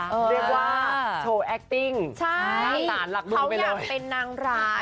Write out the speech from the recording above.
เรียกว่าโชว์แอคติ้งให้สารหลักเมืองไปเลยใช่เขาอยากเป็นนางร้าย